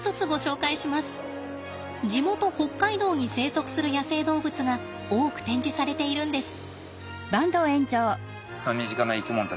地元北海道に生息する野生動物が多く展示されているんです。